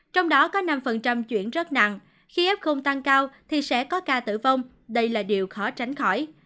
trong đó có năm chuyển rất nặng khi f tăng cao thì sẽ có ca tử vong đây là điều khó tránh khỏi